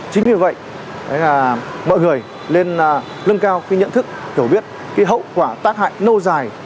chính vì vậy mọi người lên lưng cao khi nhận thức hiểu biết hậu quả tác hại nâu dài